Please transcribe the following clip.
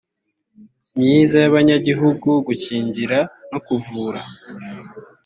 myiza y abanyagihugu gukingira no kuvura